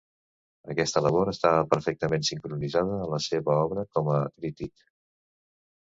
Aquesta labor estava perfectament sincronitzada a la seva obra com a crític.